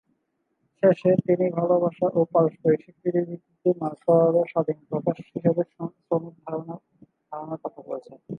শেষে তিনি ভালোবাসা ও পারস্পরিক স্বীকৃতির ভিত্তিতে মানব স্বভাবের স্বাধীন প্রকাশ হিসেবে শ্রমের ধারণার কথা বলেছেন।